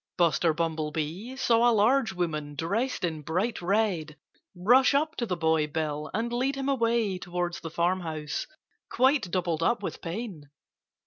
Buster Bumblebee saw a large woman dressed in bright red rush up to the boy Bill and lead him away towards the farmhouse, quite doubled up with pain.